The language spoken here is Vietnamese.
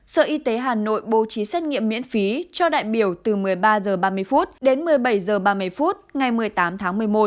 sở y tế hà nội bố trí xét nghiệm miễn phí cho đại biểu từ một mươi ba h ba mươi đến một mươi bảy h ba mươi phút ngày một mươi tám tháng một mươi một